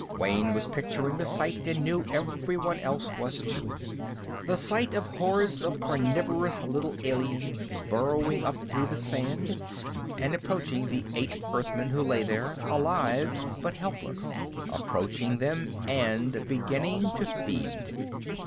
Wayne was picturing the sight, and knew everyone else was, too the sight of hordes of carnivorous little aliens burrowing up through the sand and approaching the eight Earthmen who lay there, alive but helpless. Approaching them and beginning to feed.